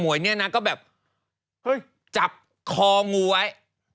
อมวยนี่นางก็แบบจับคองูไว้